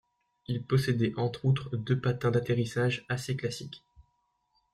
Il possédait en outre deux patins d'atterrissage assez classiques.